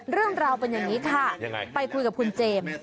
เรื่องราวเป็นอย่างนี้ค่ะไปคุยกับคุณเจมส์